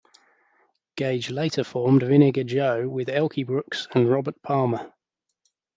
Gage later formed Vinegar Joe with Elkie Brooks and Robert Palmer.